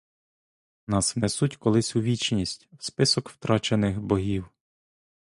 Нас внесуть колись у вічність, В список втрачених богів